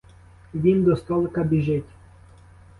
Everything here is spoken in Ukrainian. Він до столика біжить.